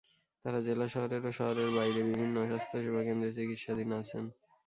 তাঁরা জেলা শহরের ও শহরের বাইরে বিভিন্ন স্বাস্থ্যসেবা কেন্দ্রে চিকিৎসাধীন আছেন।